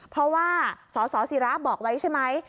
เพราะว่าสสิระบอกไว้ใช่ไหม